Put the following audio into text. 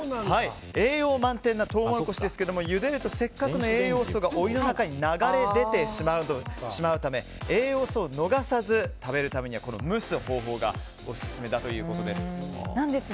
栄養満点なトウモロコシですがゆでると、せっかくの栄養素がお湯の中に流れ出てしまうため栄養素を逃さずに食べるためには蒸す方法がオススメだということです。